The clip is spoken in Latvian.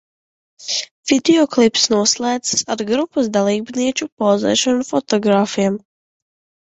Videoklips noslēdzas ar grupas dalībnieču pozēšanu fotogrāfiem.